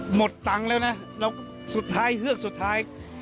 หมดจังแล้วนะสุดท้ายเฮือกสุดท้าย